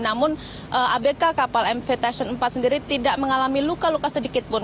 namun abk kapal mv tason empat sendiri tidak mengalami luka luka sedikit pun